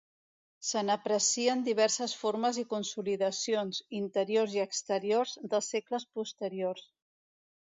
Se n'aprecien diverses formes i consolidacions, interiors i exteriors, dels segles posteriors.